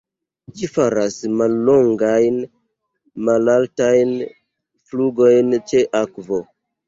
Ĝi faras mallongajn malaltajn flugojn ĉe akvo.